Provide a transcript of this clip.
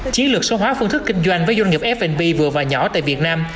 chiến lược số hóa phương thức kinh doanh với doanh nghiệp f b vừa và nhỏ tại việt nam